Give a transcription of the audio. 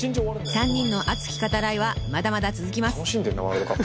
［３人の熱き語らいはまだまだ続きます］